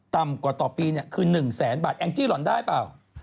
ต่ำกว่าต่อปีคือ๑แสนบาทแองจี้หล่อนได้เปล่า